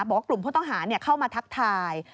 บอกว่ากลุ่มผู้ต้องหาเข้ามาทักทาย